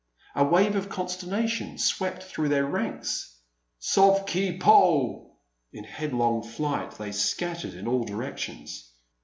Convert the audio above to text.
A wave of consternation swept through their ranks. Sauve qui peut! In headlong flight they scattered in all directions.